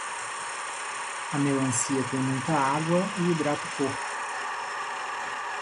A melancia tem muita água e hidrata o corpo.